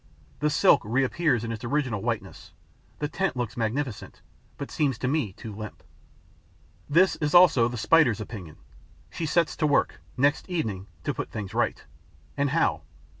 The silk reappears in its original whiteness. The tent looks magnificent, but seems to me too limp. This is also the Spider's opinion. She sets to work, next evening, to put things right. And how?